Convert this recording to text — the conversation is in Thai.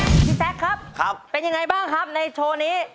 พี่แจ๊คครับเป็นยังไงบ้างครับในโชว์นี้